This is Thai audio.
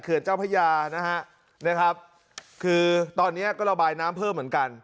เจ้าพระยานะฮะนะครับคือตอนนี้ก็ระบายน้ำเพิ่มเหมือนกัน